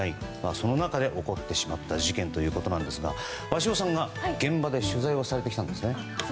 その中で起こってしまった事件ということなんですが鷲尾さんが、現場で取材をされてきたんですね。